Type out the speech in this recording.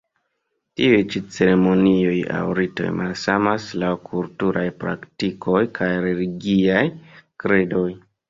Tiuj ĉi ceremonioj aŭ ritoj malsamas laŭ kulturaj praktikoj kaj religiaj kredoj.